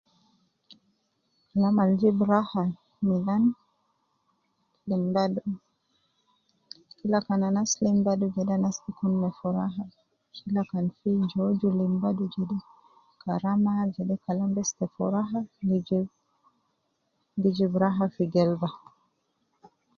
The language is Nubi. Namal jib raha milan, lim badu, kila kan anas lim badu jede anas gi kun me furaha, kila kan fi jooju lim badu jede, karama jede, kalam bes te furaha, gi jib, gi jib raha fi gelba